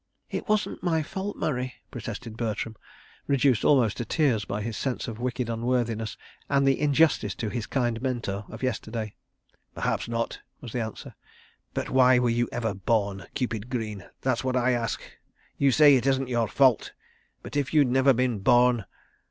..." "It wasn't my fault, Murray," protested Bertram, reduced almost to tears by his sense of wicked unworthiness and the injustice to his kind mentor of yesterday. "Perhaps not," was the answer, "but why were you ever born, Cupid Greene, that's what I ask? You say it isn't your fault—but if you'd never been born